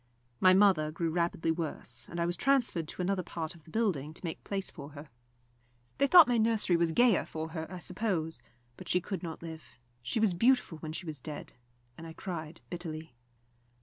My mother grew rapidly worse, and I was transferred to another part of the building to make place for her. They thought my nursery was gayer for her, I suppose; but she could not live. She was beautiful when she was dead, and I cried bitterly.